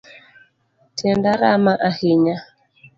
Tienda rama ahinya.